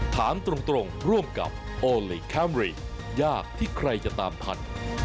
ถามตรงร่วมกับโอลี่คัมรี่ยากที่ใครจะตามทัน